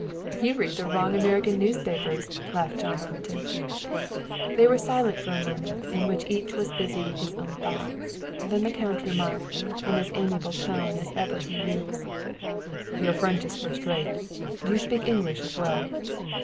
"You read the wrong American newspapers," laughed Armitage. They were silent for a moment, in which each was busy with his own thoughts; then the count remarked, in as amiable a tone as he ever used: "Your French is first rate. Do you speak English as well?"